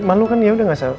malu aku ya udah engga apa